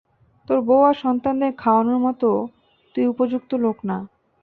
তোর বউ আর সন্তানদের খাওয়ানোর মতো তুই উপযুক্ত লোক না।